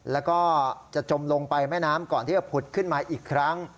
แล้วก็จะจมลงไปแม่น้ำก่อนที่จะผุดขึ้นมาอีกครั้ง